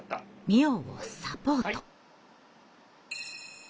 美音をサポート。